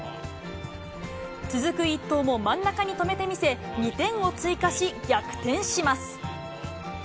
続く一投も真ん中に止めて見せ、２点を追加し、逆転します。